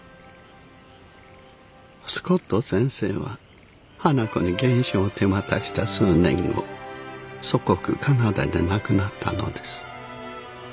スコット先生は花子に原書を手渡した数年後祖国カナダで亡くなったのです。